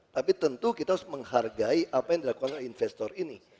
tapi tentu kita harus menghargai apa yang dilakukan oleh investor ini